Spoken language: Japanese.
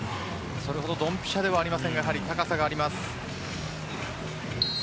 それほどどんぴしゃではありませんがやはり高さがあります。